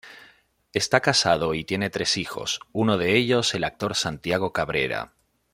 Está casado y tiene tres hijos, uno de ellos el actor Santiago Cabrera.